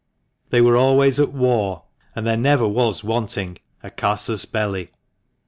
They were always at war, and there never was wanting a cams belli.